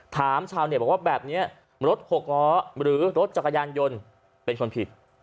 ชาวเน็ตบอกว่าแบบนี้รถหกล้อหรือรถจักรยานยนต์เป็นคนผิด